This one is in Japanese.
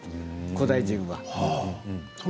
古代人は。